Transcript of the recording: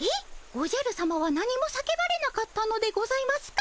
おじゃるさまは何も叫ばれなかったのでございますか。